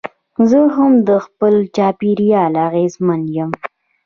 زه هم د خپل چاپېریال اغېزمن یم.